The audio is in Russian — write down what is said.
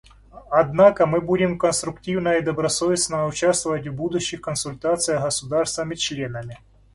Однако мы будем конструктивно и добросовестно участвовать в будущих консультациях с государствами-членами.